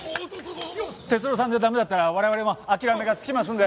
哲郎さんでダメだったら我々も諦めがつきますので。